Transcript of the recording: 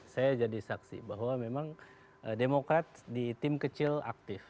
saya jadi saksi bahwa memang demokrat di tim kecil aktif